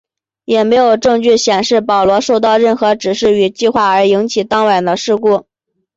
也没有证据显示保罗受到任何指示与计划而引起当晚的事故。